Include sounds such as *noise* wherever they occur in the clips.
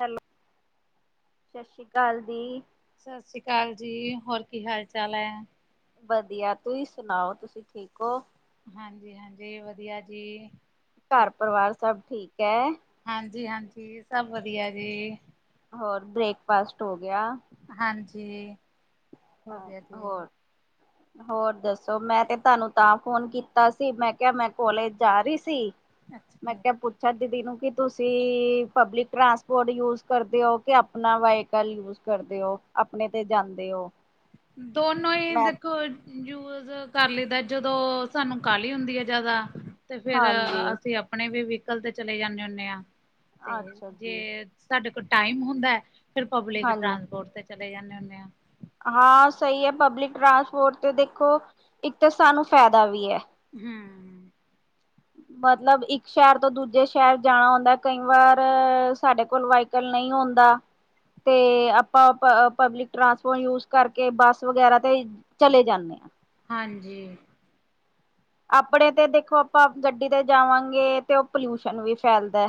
Hello, ਸਤਿ ਸ੍ਰੀ ਅਕਾਲ ਦੀ। ਸਤਿ ਸ਼੍ਰੀ ਅਕਾਲ ਜੀ, ਹੋਰ ਕੀ ਹਾਲ-ਚਾਲ ਐ? ਵਧੀਆ, ਤੁਸੀ ਸੁਨਾਓ ਤੁਸੀ ਠੀਕ ਓ? ਹਾਂਜੀ-ਹਾਂਜੀ, ਵਧੀਆ ਜੀ। ਘਰ-ਪਰਵਾਰ ਸਭ ਠੀਕ ਐ? ਹਾਂਜੀ-ਹਾਂਜੀ, ਸਭ ਵਧੀਆ ਜੀ। ਹੋਰ ਬ੍ਰੇਕਫਾਸਟ ਹੋ ਗੇਆ? ਹਾਂਜੀ, ਹੋ ਗੇਆ ਜੀ। ਹੋਰ *unintelligible* ਹੋਰ ਦੱਸੋ, ਮੈਂ ਤੇ ਤਾਨੂੰ ਤਾਂ ਫੋਨ ਕੀਤਾ ਸੀ, ਮੈਂ ਕੇਆ ਮੈਂ ਕੋਲੇਜ ਜਾ ਰੀ ਸੀ ਮੈਂ ਅੱਛਾ, ਕੇਆ ਪੁੱ ਛਾ ਦੀਦੀ ਨੂੰ, ਕਿ ਤੁਸੀ ਪਬਲਿਕ ਟਰਾਂਸਪੋਰਟ ਯੂਜ ਕਰਦੇ ਓ ਕਿ ਅਪਨਾ ਵਹੀਕਲ ਯੂਜ਼ ਕਰਦੇ ਓ, ਅਪਨੇ ਤੇ ਜਾਂਦੇ ਓ। ਦੋਨੋਂ ਈ ਦੇਖੋ ਯੂਜ਼ ਕਰ ਲੀਦਾ ਜਦੋਂ ਸਾਨੂੰ ਕਾਹਲੀ ਹੁੰਦੀ ਐ ਜਾਦਾ ਤੇ ਫੇਰ ਹਾਂਜੀ ਅਸੀ ਆਪਣੇ ਵੀ ਵਹੀਕਲ ਤੇ ਚਲੇ ਜਾਂਨੇ ਹੁੰਨੇ ਆਂ ਤੇ ਅੱਛਾ ਜੀ ਜੇ ਸਾਡੇ ਕੋ ਟਾਈਮ ਹੁੰਦਾ ਐ, ਫੇਰ ਪਬਲਿਕ ਹਾਂਜੀ ਟਰਾਂਸਪੋਰਟ ਤੇ ਚਲੇ ਜਾਂਨੇ ਹੁੰਨੇ ਆਂ। ਹਾਂ ਸਈ ਐ, ਪਬਲਿਕ ਟਰਾਂਸਪੋਰਟ ਤੇ ਦੇਖੋ ਇੱਕ ਤਾਂ ਸਾਨੂੰ ਫੈਦਾ ਵੀ ਐ। ਹੂੰ। ਮਤਲਬ ਇੱਕ ਸੈ਼ਰ ਤੋਂ ਦੂਜੇ ਸੈ਼ਰ ਜਾਣਾ ਹੋਂਦਾ ਐ, ਕਈ ਵਾਰ ਸਾਡੇ ਕੋਲ ਵਾਹੀ ਕਲ ਨਈ ਹੋਂਦਾ। ਤੇ, ਆਪਾਂ ਪਬਲਿਕ-ਟ੍ਰਾਂਸਪੋਰਟ ਯੂਜ਼ ਕਰਕੇ ਬੱਸ ਵਗੈਰਾ ਤੇ ਵੀ ਚਲੇ ਜਾਂਨੇ ਆਂ। ਹਾਂਜੀਂ। ਆਪਣੇ ਤੇ ਦੇਖੋ ਆਪਾਂ ਗੱਡੀ ਤੇ ਜਾਵਾਂਗੇ ਤੇ, ਓ ਪੋਲਊਸ਼ਨ ਵੀ ਫੈਲਦੈ।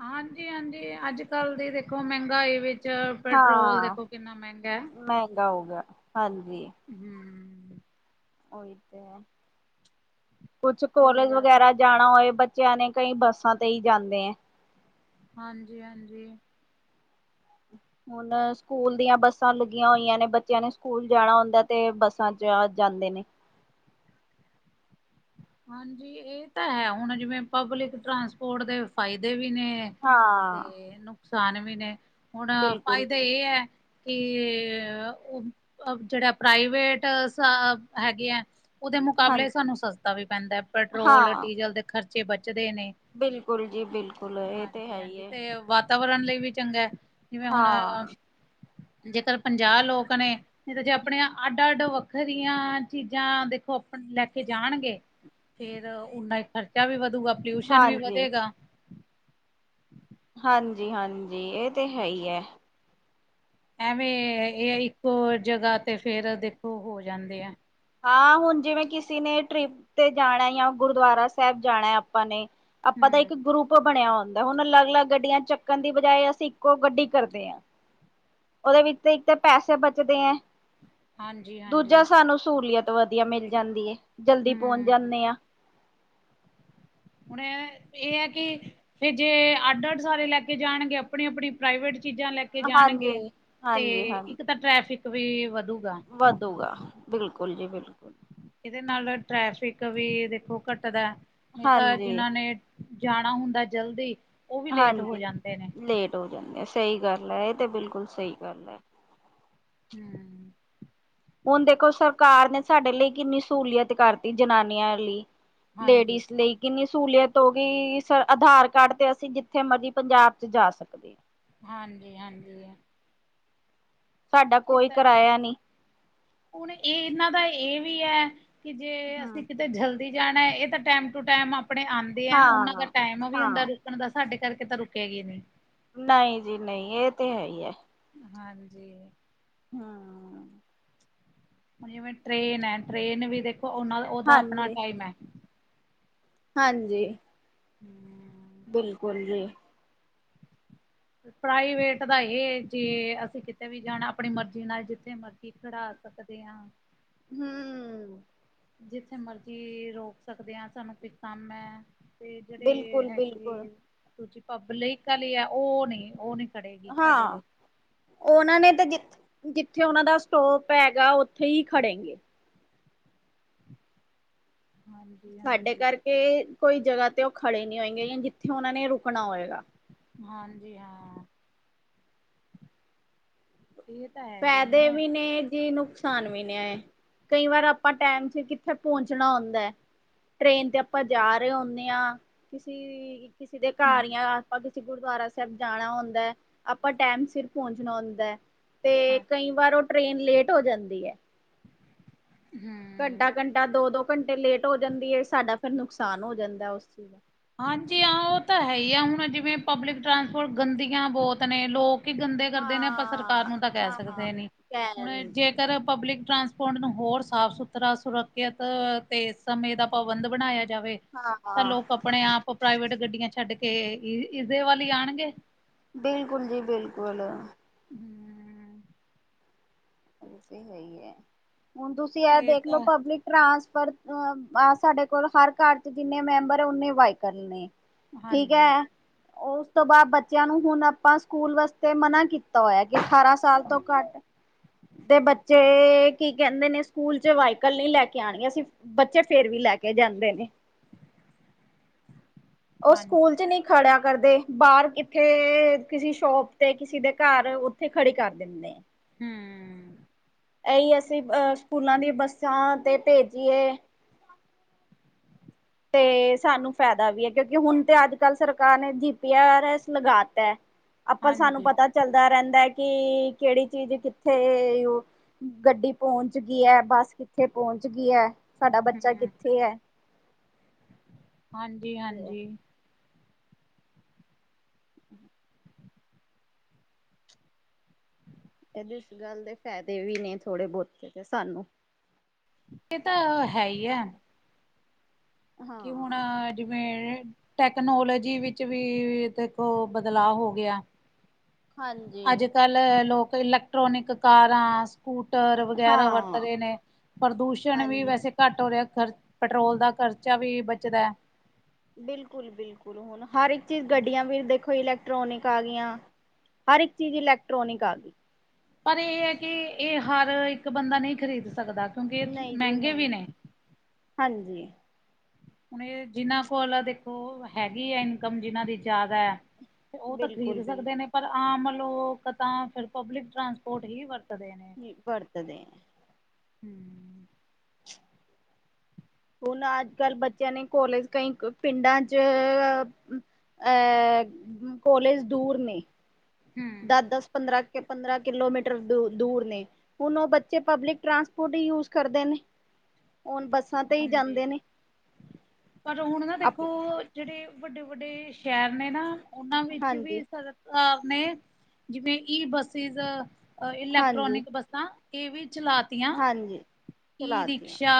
ਹਾਂਜੀ ਹਾਂਜੀ, ਅੱਜ ਕੱਲ ਦੀ ਦੇਖੋ ਮੈਂਗਾਈ ਵੀ ਚ ਪੈਟਰੋਲ ਦੇਖੋ ਕਿੰਨਾ ਮੈਂਗਾ ਐ। ਮੈਂਗਾ ਹੋ ਗੇਆ। ਹਾਂਜੀ। ਹੂੰ। ਓਈ ਤੇ। ਕੁਛ ਸਹੀ ਕੋਲੇਜ ਗੱਲ ਐ। ਵਗੈਰਾ ਜਾਣਾ ਹੋਏ ਬੱਚੈਆਂ ਨੇ, ਕਈ ਬੱਸਾਂ ਤੇ ਈ ਜਾਂਦੇ ਐ। ਹਾਂਜੀ ਹਾਂਜੀ। *unintelligible* ਹੁਨ ਸਕੂਲ ਦੀਆਂ ਬੱਸਾਂ ਲੱਗੀਆਂ ਹੋਈਆਂ ਨੇ, ਬੱਚੇਆਂ ਨੇ ਸਕੂਲ ਜਾਣਾ ਹੁੰਦਾ ਤੇ ਬੱਸਾਂ ਚ ਅ ਜਾਂਦੇ ਨੇ। ਹਾਂਜੀ, ਏ ਤਾਂ ਹੈ ਹੁਣ ਜਿਵੇਂ ਪਬਲਿਕ ਟਰਾਂਸਪੋਰਟ ਦੇ ਫਾਏਦੇ ਵੀ ਨੇ। ਹਾਂ ਤੇ ਨੁਕਸਾਨ ਵੀ ਨੇ, ਹੁਣ ਬਿਲਕੁਲ ਫਾਇਦਾ ਇਹ ਐ ਕਿ ਉ ਜਿਹੜਾ ਪ੍ਰਾਈਵੇਟ ਸ਼ ਹੈਗੇ ਆ। ਉਹਦੇ ਹਾਂ ਮੁਕਾਬਲੇ ਸਾਨੂੰ ਸਸਤਾ ਵੀ ਪੈਂਦਾ, ਪੈਟਰੋਲ ਹਾਂ ਡੀਜ਼ਲ ਦੇ ਖਰਚੇ ਬੱਚਦੇ ਨੇ। ਬਿਲਕੁਲ ਜੀ ਬਿਲਕੁਲ ਇਹ ਤੇ ਹੈ ਈ ਹਾਂਜੀ-ਹਾਂਜੀ ਐ ਜੀ। ਤੇ ਵਾਤਾਵਰਨ ਲਈ ਵੀ ਚੰਗਾ, ਜਿਵੇਂ ਹੁਣ ਹਾਂ ਜੇਕਰ ਪੰਜਾਹ ਲੋਕ ਨੇ ਤਾ ਨਈ ਤਾਂ ਜੇ ਆਪਣੀਆਂ ਅੱਡ ਅੱਡ ਵੱਖਰੀਆਂ ਚੀਜ਼ਾਂ ਦੇਖੋ ਅਪ ਲੈ ਕੇ ਜਾਣਗੇ। ਫੇਰ ਉਹਨਾ ਖ਼ਰਚਾ ਵੀ ਵਧੂਗਾ, ਪੋਲਿਊਸ਼ਨ ਵੀ ਹਾਂਜੀ ਵਧੇਗਾ। ਹਾਂਜੀ-ਹਾਂਜੀ, ਇਹ ਤੇ ਹੈ ਈ ਐ। ਐਵੇਂ ਇਹ ਐ ਇੱਕੋ ਜਗ੍ਹਾ ਤੇ ਫੇਰ ਦੇਖੋ ਹੋ ਜਾਂਦੇ ਐ। ਹਾਂ, ਹੁਣ ਜਿਵੇਂ ਕਿਸੀ ਨੇ ਟ੍ਰਿਪ ਤੇ ਜਾਣਾ ਜਾਂ ਗੁਰਦੁਆਰਾ ਸਾਹਿਬ ਜਾਣਾ ਆਪਾਂ ਨੇ ਆਪਾਂ ਦਾ ਇੱਕ ਗਰੁੱਪ ਬਣਿਆ ਹੁੰਦਾ ਹੁਣ ਅਲੱਗ ਅਲੱਗ ਗੱਡੀਆਂ ਚੱਕਣ ਦੀ ਬਜਾਏ ਅਸੀਂ ਇੱਕੋ ਗੱਡੀ ਕਰਦੇ ਆ। ਉਹਦੇ ਵਿੱਚ ਇੱਕ ਤਾਂ ਪੈਸੇ ਬਚਦੇ ਐ ਹਾਂਜੀ-ਹਾਂਜੀ ਦੂਜਾ ਸਾਨੂੰ ਸਹੂਲੀਅਤ ਵਧੀਆ ਮਿਲ ਜਾਂਦੀ ਐ, ਜਲਦੀ ਪਹੁੰਚ ਹੂੰ ਜਾਂਨੇ ਆ। ਹੁਣ ਇਹ ਐ ਕਿ ਫਿਰ ਜੇ ਅੱਡ ਅੱਡ ਸਾਰੇ ਲੈ ਕੇ ਜਾਣਗੇ, ਆਪਣੀ-ਆਪਣੀ ਪ੍ਰਾਈਵੇਟ ਚੀਜ਼ਾਂ ਲੈ ਕੇ ਕੇ ਜਾਣਗੇ, ਹਾਂਜੀ, ਤੇ ਹਾਂਜੀ, ਹਾਂਜੀ ਇੱਕ ਤਾਂ ਟ੍ਰੈਫਿਕ ਵੀ ਵਧੂਗਾ। ਵਧੂਗਾ, ਬਿਲਕੁਲ ਜੀ ਬਿਲਕੁਲ। ਇਹਦੇ ਨਾਲ ਟ੍ਰੈਫਿਕ ਵੀ ਦੇਖੋ ਘੱਟਦਾ, ਨਈ ਤਾਂ ਹਾਂਜੀ, ਜਿਨਾਂ ਨੇ ਜਾਣਾ ਹੁੰਦਾ ਜਲਦੀ, ਉਹ ਵੀ ਲੇਟ ਹੋ ਹਾਂਜੀ। ਜਾਂਦੇ ਨੇ। ਲੇਟ ਹੋ ਜਾਨੇ ਆ, ਸਹੀ ਗੱਲ ਐ ਇਹ ਤੇ ਬਿਲਕੁਲ ਸਹੀ ਗੱਲ ਐ। ਹੂੰ, ਹੁਣ ਦੇਖੋ, ਸਰਕਾਰ ਨੇ ਸਾਡੇ ਲਈ ਕਿੰਨੀ ਸਹੂਲੀਅਤ ਕਰਤੀ ਜਨਾਨੀਆਂ ਲਈ। ਹਾਂਜੀ ਲੇਡੀਸ਼ ਲਈ। ਕਿੰਨੀ ਸਹੂਲੀਅਤ ਹੋ ਗਈ, ਸ ਆਧਾਰ ਕਾਰਡ ਤੇ ਅਸੀਂ ਜਿੱਥੇ ਮਰਜੀ ਪੰਜਾਬ 'ਚ ਜਾ ਸਕਦੇ ਆ। ਹਾਂਜੀ-ਹਾਂਜੀ, ਸਾਡਾ ਇਹ ਕੋਈ ਤਾਂ ਐ, ਕਿਰਾਇਆ ਨੀ। ਹੁਣ ਇਹ ਇਹਨਾਂ ਦਾ ਵੀ ਐ ਕਿ ਜੇ ਹਾਂ, ਅਸੀਂ ਕਿਤੇ ਜਲਦੀ ਜਾਣਾ, ਇਹ ਤਾਂ ਟੈਮ ਟੂ ਟੈਮ ਆਪਣੇ ਆਦ ਦੇ ਆ, ਉਹਨਾਂ ਦਾ ਹਾਂ ਟਾਈਮ ਵੀ ਹੁੰਦਾ ਹਾਂ ਰੁਕਣ ਦਾ, ਸਾਡੇ ਕਰਕੇ ਤਾਂ ਰੁਕੇ ਗੀ ਨੀ। ਨਈ ਜੀ ਨਈ, ਇਹ ਤੇ ਹੈ ਈ ਐ। ਹਾਂਜੀ, ਹਾਂ, ਹੁਣ ਜਿਵੇਂ ਟ੍ਰੇਨ ਐ ਟ੍ਰੇਨ ਵੀ ਦੇਖੋ, ਉਹਨਾ ਦਾ ਉਹਦਾ ਆਪਣਾ ਹਾਂਜੀ ਟਾਈਮ ਐ। ਹਾਂਜੀ, *inaudible* ਬਿਲਕੁਲ ਜੀ। ਪ੍ਰਾਈਵੇਟ ਦਾ ਇਹ ਜੇ ਅਸੀਂ ਕਿਤੇ ਵੀ ਜਾਣਾ ਆਪਣੀ ਮਰਜ਼ੀ ਨਾਲ ਜਿੱਥੇ ਮਰਜ਼ੀ ਕੀ ਖੜਾ ਸਕਦੇ ਆ? ਹੂੰ, ਜਿੱਥੇ ਮਰਜ਼ੀ ਰੋਕ ਸਕਦੇ ਆ, ਸਾਨੂੰ ਕੋਈ ਕੰਮ ਐ। ਤੇ ਬਿਲਕੁਲ ਜਿਹੜੇ ਬਿਲਕੁਲ *unintelligible* ਪਬਲਿਕ ਆਲੇ ਐ ਉਹ ਨੀ ਉਹ ਨੀ। ਹਾਂ। ਉਹਨਾਂ ਨੇ ਤੇ ਜ *inaudible* ਜਿੱਥੇ ਉਹਨਾਂ ਦਾ ਸਟੋਪ ਹੈਗਾ ਉੱਥੇ ਹੀ ਖੜੇਗੇ। ਹਾਂਜੀ ਸਾਡੇ ਹਾਂਜੀ ਕਰਕੇ ਕੋਈ ਜਗ੍ਹਾ ਤੇ ਉਹ ਖੜੇ ਨੀ ਹੋਏਗੇ ਜਿੱਥੇ ਉਹਨਾਂ ਨੇ ਰੁਕਣਾ ਹੋਏਗਾ। ਹਾਂਜੀ ਹਾਂ। ਤਾਂ ਹੈ ਜੀ ਹੁਣ ਫੈਦੇ ਵੀ ਨੇਂ ਜੀ, ਨੁਕਸਾਨ ਵੀ ਨੇ। ਕਈ ਵਾਰ ਆਪਾਂ ਟੈਮ ਚ ਕਿੱਥੇ ਪੋਂਚਣਾ ਹੁੰਦਾ ਐ। ਟ੍ਰੇਨ ਤੇ ਆਪਾਂ ਜਾ ਰੇ ਹੁੰਨੇ ਆਂ। ਕਿਸੀ ਕਿਸੀ ਦੇ ਹਮ ਘਰ ਜਾਂ ਆਪਾਂ ਕਿਸੇ ਗੁਰਦੁਆਰਾ ਸਾਹਿਬ ਜਾਣਾ ਹੁੰਦਾ ਐ, ਆਪਾਂ ਟੈਮ ਸਿਰ ਪੋਂਚਣਾ ਹੁੰਦਾ ਐ। ਤੇ ਹਾਂ ਕਈਂ ਵਾਰ ਓ ਟ੍ਰਰੇਨ ਲੇਟ ਹੋ ਜਾਂਦੀ ਐ। ਹਂ। ਘੰਟਾ-ਘੰਟਾ, ਦੋ-ਦੋ ਘੰਟੇ ਲੇਟ ਹੋ ਜਾਂਦੀ ਏ, ਸਾਡਾ ਫੇਰ ਨੁਕਸਾਨ ਹੋ ਜਾਂਦਾ ਓਸ ਚਿਨ ਹਾਂਜੀ ਹਾਂ ਓ ਤਾਂ ਹੈ ਈ ਆ ਹੁਣ ਜਿਵੇਂ ਪਬਲਿਕ ਟਰਾਂਸਪੋਰਟ ਗੰਦੀਆਂ ਬਹੁਤ ਨੇ। ਲੋਕ ਕੀ ਗੰਦੇ ਕਰਦੇ ਨੇ ਆਪਾਂ ਸਰਕਾਰ ਹਾਂ ਨੂੰ ਤਾਂ ਕੈਅ ਹਾਂ ਸਕਦੇ ਨੀਂ। ਕਹਿ ਹੁਣ ਨਹੀਂ ਸਕਦੇ। ਜੇਕਰ ਪਬਲਿਕ ਟਰਾਂਸ ਪੁੰਡ ਨੂੰ ਹੋਰ ਸਾਫ-ਸੁਥਰਾ ਸੁਰੱਖਿਅਤ ਤੇ ਇਸ ਸਮੇਂ ਦਾ ਪਾਬੰਦ ਬਣਾਇਆ ਜਾਵੇ। ਹਾਂ, ਤਾਂ ਹਾਂ। ਲੋਕ ਆਪਣੇ ਆਪ ਪ੍ਰਾਈਵੇਟ ਗੱਡੀਆਂ ਛੱਡ ਕੇ ਈ ਇਦੇ ਵੱਲ ਈ ਆਣਗੇ। ਬਿਲਕੁਲ, ਜੀ ਬਿਲਕੁਲ। ਹਂ। ਓ ਤੇ ਹੈ ਹੀ ਐ, ਹੁਣ ਤੁਸੀਂ ਇਹ ਦੇਖਲੋ ਪਬਲਿਕ ਟਰਾਂਸਫਰ ਅ ਆ ਸਾਡੇ ਕੋਲ ਹਰ ਘਰ ਚ ਜਿੰਨੇ ਮੈਂਬਰ ਓਨੇਂ ਵਾਈਕਲ ਨੇ ਠੀਕ ਐ। ਹਾਂਜੀ ਓ ਉਸ ਤੋਂ ਬਾਅਦ ਬੱਚਿਆਂ ਨੂੰ ਹੁਣ ਆਪਾਂ ਸਕੂਲ ਵਾਸਤੇ ਮਨਾਂ ਕੀਤਾ ਹੋਇਆ ਕਿ ਅਠਾਰਾਂ ਸਾਲ ਤੋਂ ਘੱਟ ਦੇ ਬੱਚੇ ਕੀ ਕੈਂਦੇ ਨੇ ਸਕੂਲ ਚ ਵਾਈਕਲ ਨਈਂ ਲੈ ਕੇ ਆਣੀਆਂ। ਅਸੀਂ ਬੱਚੇ ਫੇਰ ਵੀ ਲੈ ਕੇ ਜਾਂਦੇ ਨੇ। ਓ ਹਾਂਜੀ ਸਕੂਲ ਚ ਨੀਂ ਖੜ੍ਹਿਆ ਕਰਦੇ, ਬਾਰ ਕਿੱਥੇ, ਕਿਸੇ ਸ਼ੋਪ ਤੇ ਕਿਸੇ ਦੇ ਘਰ ਓਥੇ ਖੜੀ ਕਰਦੇ। ਦਿੰਨੇ। ਹਂ। ਏਈ ਅਸੀਂ ਅ ਸਕੂਲਾਂ ਦੀ ਬੱਸਾਂ ਤੇ ਭੇਜੀਏ। ਤੇ ਸਾਨੂੰ ਫੈਦਾ ਵੀ ਐ ਕਿਉਂਕਿ ਹੁਣ ਤੇ ਅੱਜ-ਕਲ ਸਰਕਾਰ ਨੇ ਜੀ ਪੀ ਆਰ ਐੱਸ ਲਗਾਤਾ। ਆਪਾਂ ਸਾਨੂੰ ਹਾਂਜੀ ਪਤਾ ਚੱਲਦਾ ਰੈਂਦਾ ਐ ਕਿ ਕੇੜੀ ਚੀਜ਼ ਕਿੱਥੇ ਓ ਗੱਡੀ ਪੋਂਹਚ ਗਈ ਐ, ਬੱਸ ਕਿੱਥੇ ਪੋਂਚ ਗੀ ਐ। ਹਂ। ਹਾਂਜੀ-ਹਾਂਜੀ। ਇਹਦੇ ਇਸ ਗੱਲ ਦੇ ਫਾਇਦੇ ਵੀ ਨੇਂ ਥੋੜੇ ਬੋਤੇ ਤੇ ਸਾਨੂੰ ਏ ਤਾਂ ਹੈ ਈ ਐ। ਹਾਂ ਕਿ ਹੁਣ ਆ ਜਿਵੇਂ ਟੈਕਨੋਲੋਜੀ ਵਿੱਚ ਵੀ ਦੇਖੋ ਬਦਲਾਅ ਹੋ ਗਿਆ। ਹਾਂਜੀ ਅੱਜ-ਕਲ ਲੋਕ ਇਲੈਕਟ੍ਰੋਨਿਕ ਕਾਰਾਂ ਸ ਕੂਟਰ ਵਗੈਰਾ ਹਾਂ ਵਰਤਦੇ ਨੇਂ। ਪ੍ਰਦੂਸ਼ਣ ਵੀ ਹਾਂਜੀ ਵੈਸੇ ਘੱਟ ਹੋ ਰਿਆ ਖਰ ਪੈਟਰੋਲ ਦਾ ਖਰਚਾ ਵੀ ਬਚਦਾ। ਬਿਲਕੁਲ-ਬਿਲਕੁਲ। ਹੁਣ ਹਰ ਇੱਕ ਚੀਜ਼ ਹੈ। ਗੱਡੀਆਂ ਵੀ ਦੇਖੋ ਇਲੈਕ ਟ੍ਰੋਨਿਕ ਆ ਗਈਆਂ ਹਰ ਇੱਕ ਚੀਜ਼ ਇਲੈਕਟ੍ਰੋਨਿਕ ਆ ਗਈ। ਪਰ ਏ ਐ ਕਿ ਏ ਹਰ ਇੱਕ ਬੰਦਾ ਨਈਂ ਖਰੀਦ ਸਕਦਾ। ਕਿਉਂਕਿ ਇਹ ਨਈਂ ਜੀ ਮਹਿੰਗੇ ਨਈਂ, ਵੀ ਨੇ। ਹਾਂਜੀ। ਹੁਣ ਏ ਜਿਨ੍ਹਾਂ ਕੋਲ ਦੇਖੋ, ਹੈਗੀ ਏ ਇਨਕਮ ਜਿਨ੍ਹਾਂ ਦੀ ਜ਼ਿਆਦਾ ਐ ਤੇ ਓ ਤਾਂ ਬਿਲਕੁਲ ਖਰੀਦ ਸਕਦੇ ਬਿਲਕੁਲ ਨੇਂ। ਪਰ ਆਮ ਲੋਕ ਤਾਂ ਫਿਰ ਪਬਲਿਕ ਟਰਾਂਸਪੋਰਟ ਹੀ ਵਰਤਦੇ ਨੇਂ। ਬਰਤਦੇ ਹਂ। *inaudible* ਹੁਣ ਅੱਜ-ਕਲ੍ਹ ਬੱਚਿਆਂ ਨੀ ਕੋਲਜ ਕਈ ਪਿੰਡਾਂ ਚ ਅ ਕੋਲੇਜ ਦੂਰ ਨੇ ਹੂ ਦਸ-ਦਸ, ਪੰਦਰਾਂ- ਪੰਦਰਾਂ ਕਿਲੋਮੀਟਰ ਦ ਦੂਰ ਨੇ ਹੁਣ ਉਹ ਬੱਚੇ ਪਬਲਿਕ ਟ੍ਰਾਂਸਪੋਰਟ ਈ ਯੂਜ ਕਰਦੇ ਨੇ, ਹੁਣ ਬੱਸ ਹਾਂਜੀ। ਪਰ ਹੁਣ ਨਾ ਆਪ ਦੇਖੋ ਜਿਹੜੇ ਵੱਡੇ-ਵੱਡੇ ਸ਼ਹਿਰ ਨੇ ਨਾ ਉਹਨਾਂ ਵਿੱਚ ਹਾਂਜੀ ਵੀ ਫ ਅ ਨੇ ਜਿਵੇਂ ਈ ਬੱਸੀਸ ਹਾਂਜੀ ਇਲੈਕਟ੍ਰੋਨਿਕ ਬੱਸ ਤਾਂ ਇਹ ਵੀ ਚਲਾਤੀਆਂ, ਹਾਂਜੀ ਈ ਚਲਾਤੀਆਂ ਰਿਕਸ਼ਾ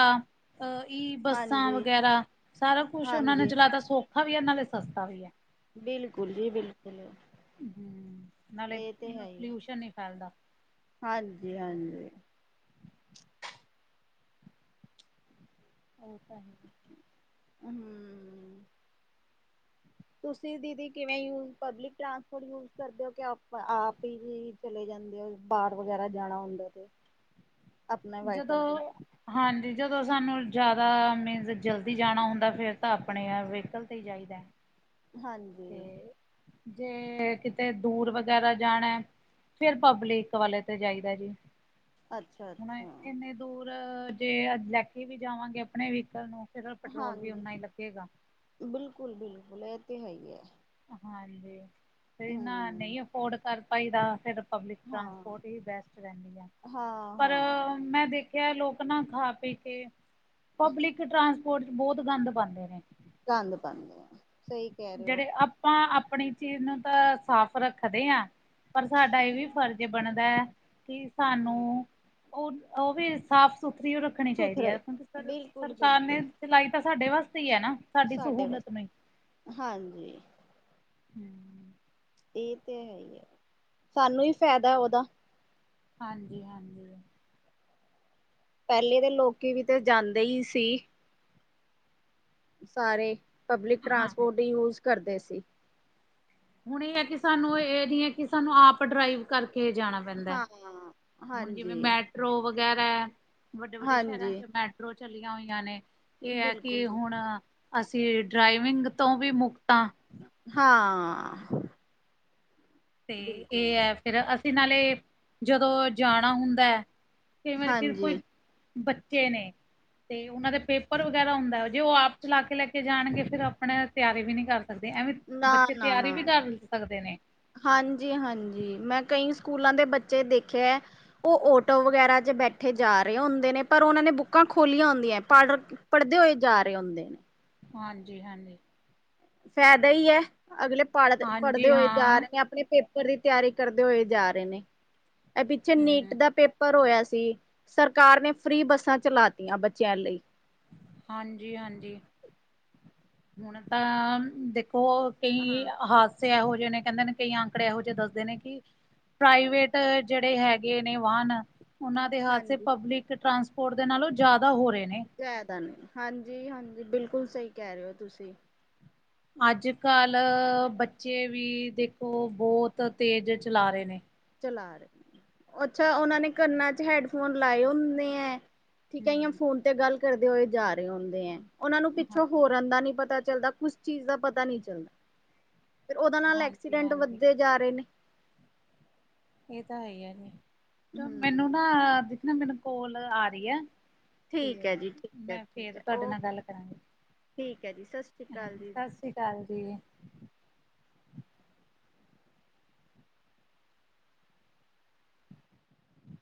ਅ ਈ ਬੱਸਾਂ ਹਾਂਜੀ ਵਗੈਰਾ, ਸਾਰਾ ਕੁਛ ਉਹਨਾਂ ਨੇ ਹਾਂਜੀ ਚਲਾ ਤ ਸੌਖਾ ਵੀ ਐ ਨਾਲੇ ਸਸਤਾ ਵੀ ਐ ਬਿਲਕੁਲ ਜੀ- ਬਿਲਕੁਲ। ਹੂੰ, ਨਾਲੇ ਇਹ ਪੋਲਿਊਸ਼ਨ ਨੀ ਫੈਲਦਾ। ਹਾਂਜੀ-ਹਾਂਜੀ। ਉਹੀ ਤਾਂ ਹੈ। ਹੂੰ ਤੁਸੀਂ ਦੀਦੀ ਕਿਵੇਂ ਯੂਸ ਪਬਲਿਕ ਟਪੋਰਟ ਯੂਸ ਕਰਦੇ ਹੋ ਆਪਾਂ ਆਪ ਈ ਦੀ? ਚਲੇ ਜਾਂਦੇ ਆ, ਬਾਹਰ ਵਗੈਰਾ ਜਾਣਾ ਹੁੰਦਾ ਤੇ ਆਪਣੇ ਵਾਈਕਲ ਜਦੋਂ ਤੇ ਹਾਂਜੀ ਜਦੋਂ ਸਾਨੂੰ ਜ਼ਿਆਦਾ ਮੀਨਜ਼ ਜਲਦੀ ਜਾਣਾ ਹੁੰਦਾ ਫਿਰ ਤਾਂ ਆਪਣੇ ਵਹੀਕਲ ਤੇ ਈ ਜਾਈਦਾ ਹਾਂਜੀ। ਤੇ ਜੇ ਕਿਤੇ ਦੂਰ ਵਗੈਰਾ ਜਾਣਾ ਫੇਰ ਪਬਲਿਕ ਵਾਲੇ ਤੇ ਜਾਈਦਾ ਜੀ। ਅੱਛਾ ਹੁਣ ਅੱਛਾ ਇੰਨੇ ਦੂਰ ਜੇ ਲੈ ਕੇ ਵੀ ਜਾਵਾਂਗੇ ਆਪਣੇ ਵਹੀਕਲ ਨੂੰ ਫੇਰ ਪੈਟਰੋਲ ਵੀ ਓਨਾ ਈ ਲੱਗੇਗਾ ਬਿਲਕੁਲ-ਬਿਲਕੁਲ ਇਹ ਤੇ ਹੈ ਈ ਐ। ਹਾਂਜੀ, ਤੇ ਨਾ ਹਮ ਨਈ ਅਫੋਰਡ ਕਰ ਪਾਈਦਾ ਫਿਰ ਪਬਲਿਕ ਹਾਂ ਟਰਾਂਸਪੋਰਟ ਹੀ ਬੈਸਟ ਰਹਿੰਦੀ ਐ, ਹਾਂ ਪਰ ਹਾਂ ਮੈਂ ਦੇਖ ਕ ਲੋਕ ਨਾ ਖਾ-ਪੀ ਕੇ ਪਬਲਿਕ ਟਰਾਂਸਪੋਰਟ ਚ ਬਹੁਤ ਗੰਦ ਪਾਦੇ ਨੇ ਗੰਦ ਪਾਦੇ ਸਹੀ ਕਹਿ ਰਹੇ ਹੋ ਜਿਹੜੇ ਆਪਾਂ ਆਪਣੀ ਚੀਜ਼ ਨੂੰ ਤਾਂ ਸਾਫ਼ ਰੱਖਦੇ ਆ ਪਰ ਸਾਡਾ ਇਹ ਵੀ ਫਰਜ਼ ਵੀ ਬਣਦਾ ਐ ਕੀ ਸਾਨੂੰ ਹਮ ਉਹ- ਉਹ ਵੀ ਸਾਫ-ਸੁਥਰੀ ਰੱਖਣੀ ਚਾਈਦੀ ਐ, ਸੁਥਰੇ ਕਿਉਂਕਿ ਬਿਲਕੁਲ ਸਰ-ਸਰਕਾਰ ਨੇ ਬਿਲਕੁਲ ਚਲਾਈ ਤਾਂ ਸਾਡੇ ਵਾਸਤੇ ਈ ਐ ਨਾ ਸਾਡੀ ਸਾਡੇ ਸਹੂਲਤ ਨੂੰ ਵਾਸਤੇ ਹਾਂਜੀ। ਹਮ ਇਹ ਤੇ ਹੈ ਈ ਐ, ਸਾਨੂੰ ਈ ਫਾਇਦਾ ਉਹਦਾ ਹਾਂਜੀ-ਹਾਂਜੀ। ਪਹਿਲੇ ਦੇ ਲੋਕੀ ਵੀ ਤਾਂ ਜਾਂਦੇ ਈ ਸੀ। ਸਾਰੇ ਪਬਲਿਕ ਹਾਂ ਟ੍ਰਾਂਸਪੋਰਟ ਯੂਜ ਕਰਦੇ ਸੀ। ਹੁਣ ਇਹ ਹੈ ਕਿ ਸਾਨੂੰ ਇਹ ਨੀ ਹੈ ਕਿ ਸਾਨੂੰ ਆਪ ਡਰਾਈਵ ਕਰਕੇ ਜਾਣਾ ਪੈਦਾ। ਹਾਂ ਹੁਣ‌ ਜਿਵੇਂ ਮ ਹਾਂਜੀ ਮੈਟਰੋ ਵਗੈਰਾ ਵੱਡੇ-ਵੱਡੇ ਸ਼ਹਿਰਾਂ ਹਾਂਜੀ ਚ ਮੈਟਰੋ ਚੱਲੀਆਂ ਹੋਈਆਂ ਨੇ ਇਹ ਹੈ ਬਿਲਕੁਲ ਕਿ ਹੁਣ ਅਸੀਂ ਡਰਾਈਵਿੰਗ ਤੋਂ ਵੀ ਮੁਕਤ ਆ ਹਾਂ ਤੇ ਬਿਲਕੁਲ ਏ ਜੀ। ਐ, ਫਿਰ ਅਸੀਂ ਨਾਲੇ ਜਦੋਂ ਜਾਣਾ ਹੁੰਦਾ ਐ। ਕਈ ਵਾਰੀ ਤਿਰ ਹਾਂਜੀ ਕੋਈ ਬੱਚੇ ਨੇ, ਤੇ ਉਹਨਾਂ ਦੇ ਪੇਪਰ ਵਗੈਰਾ ਹੁੰਦਾ ਜੇ ਉਹ ਆਪ ਚਲਾ ਕੇ ਲੈ ਜਾਣਗੇ ਫੇਰ ਆਪਣੇ ਤਿਆਰੀ ਵੀ ਨੀ ਕਰ ਸਕਦੇ, ਐਵੇਂ ਨਾ ਬੱਚੇ ਤਿਆਰੀ ਵੀ ਕਰ ਸਕਦੇ ਨੇ। ਹਾਂਜੀ-ਹਾਂਜੀ, ਮੈਂ ਕਈ ਸਕੂਲਾਂ ਦੇ ਬੱਚੇ ਦੇਖੇ ਆ। ਉਹ ਆਟੋ ਵਗੈਰਾ 'ਚ ਬੈਠੇ ਜਾ ਰਹੇ ਹੁੰਦੇ ਨੇ, ਪਰ ਉਹਨਾਂ ਨੇ ਬੁੱਕਾਂ ਖੋਲੀਆਂ ਹੁੰਦੀਆਂ, ਪੜ ਪੜਦੇ ਹੋਏ ਜਾ ਰਹੇ ਹੁੰਦੇ। ਹਾਂਜੀ-ਹਾਂਜੀ। ਫਾਇਦਾ ਈ ਐ, ਅਗਲੇ ਪੜਦੇ-ਪੜਦੇ ਹਾਂਜੀ ਹਾਂਜੀ ਹੋਏ ਜਾ ਹਾਂ ਰਹੇ ਨੇ ਅਪਣੇ ਪੇ ਪੇਪਰ ਦੀ ਤਿਆਰੀ ਕਰਦੇ ਹੋਏ ਜਾ ਰਹੇ ਨੇ, ਇਹ ਪਿੱਛੇ ਨੀਟ ਹੂੰ ਦਾ ਪੇਪ ਪੇਪਰ ਹੋਇਆ ਸੀ, ਸਰਕਾਰ ਨੇ ਫ੍ਰੀ ਬੱਸਾਂ ਚਲਾਤੀਆਂ ਬੱਚਿਆਂ ਲਈ। ਹਾਂਜੀ-ਹਾਂਜੀ, ਹੁਣ ਤਾਂ ਦੇਖੋ ਕਈ ਹਾਂ ਹਾਦਸੇ ਇਹੋ ਜੇ ਨੇ, ਕਹਿੰਦੇ ਨੇ ਕਈ ਆੰਕੜੇ ਇਹੋ ਜਿਹੇ ਦੱਸਦੇ ਨੇ ਕਿ ਪ੍ਰਾਈਵੇਟ ਜਿਹੜੇ ਹੈਗੇ ਨੇ ਵਾਹਨ ਉਹਨਾਂ ਦੇ ਹਾਦਸੇ ਹਾਂਜੀ। ਪਬਲਿਕ ਟਰਾਂਸਪੋਰਟ ਦੇ ਨਾਲੋਂ ਜ਼ਿਆਦਾ ਹੋ ਰਹੇ ਨੇ। ਫਾਇਦਾ ਨਹੀਂ, ਹਾਂਜੀ-ਹਾਂਜੀ, ਬਿਲਕੁਲ ਸਹੀ ਕਹਿ ਰਹੇ ਓ ਤੁਸੀਂ। ਅੱਜ-ਕੱਲ ਬੱਚੇ ਵੀ ਦੇਖੋ ਬਹੁਤ ਤੇਜ਼ ਚਲਾ ਰਹੇ ਨੇ। ਚਲਾ ਰਹੇ, ਅੱਛਾ ਉਹਨਾਂ ਨੇ ਕੰਨਾਂ'ਚ ਹੈਡਫੋਨ ਲਾਏ ਹੁੰਨੇ ਆ। ਕਈਆ ਹੂੰ ਫੋਨ ਤੇ ਗੱਲ ਕਰਦੇ ਹੋਏ ਜਾ ਰਹੇ ਹੁੰਦੇ ਐ, ਉਹਨਾ ਨੂੰ ਹਾਂ ਪਿੱਛੋਂ ਹੋਰ ਦਾ ਨੀ ਪਤਾ ਚੱਲਦਾ, ਕੁਛ ਚੀਜ਼ ਦਾ ਪਤਾ ਨੀ ਚੱਲਦਾ, ਫਿਰ ਉਹਦੇ ਨਾਲ ਹਾਂਜੀ ਐਕਸੀਡੈਂਟ ਹਾਂਜੀ ਵੱਧਦੇ ਜਾ ਰਹੇ ਨੇ। ਇਹ ਤਾਂ ਹੈ ਈਆ, ਮੈਨੂੰ ਹਮ ਨਾ, ਦੇਖ ਨਾ ਮੈਨੂੰ ਕੋਲ ਆ ਰਹੀ ਆ। ਠੀਕ ਐ ਜੀ, ਠੀਕ ਐ, ਠੀਕ, ਓਕੇ, ਗੱਲ ਕਰਾਂਗੀ ਠੀਕ ਜੀ ਸਸਰੀਕਾਲ ਜੀ। ਚੱਲਦੀ